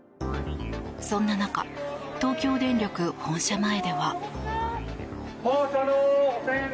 そんな中東京電力本社前では。